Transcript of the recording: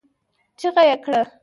چيغه يې کړه!